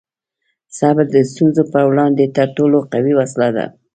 صبر د ستونزو په وړاندې تر ټولو قوي وسله ده.